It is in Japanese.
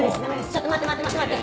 ちょっと待って待って待って待って！